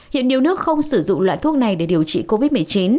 hiện nhiều nước không sử dụng loại thuốc này để điều trị covid một mươi chín